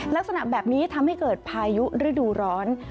ลักษณะแบบนี้ทำให้เกิดพายุฤดูร้อน